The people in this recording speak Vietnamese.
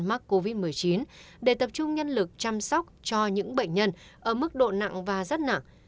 mắc covid một mươi chín để tập trung nhân lực chăm sóc cho những bệnh nhân ở mức độ nặng và rất nặng